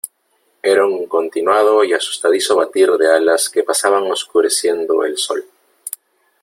era un continuado y asustadizo batir de alas que pasaban oscureciendo el sol .